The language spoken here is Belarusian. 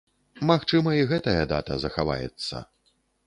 Магчыма, і гэтая дата захаваецца.